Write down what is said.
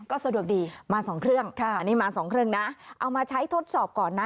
ก็สะดวกดีค่ะอันนี้มา๒เครื่องนะเอามาใช้ทดสอบก่อนนะ